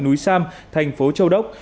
núi sam thành phố châu đốc